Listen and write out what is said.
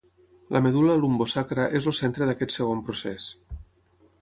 La medul·la lumbosacra és el centre d'aquest segon procés.